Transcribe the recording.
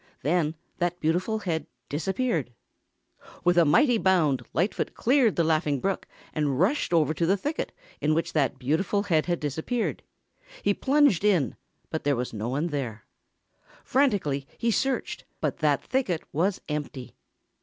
Then that beautiful head disappeared. With a mighty bound, Lightfoot cleared the Laughing Brook and rushed over to the thicket in which that beautiful head had disappeared. He plunged in, but there was no one there. Frantically he searched, but that thicket was empty.